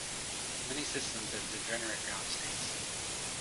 Many systems have degenerate ground states.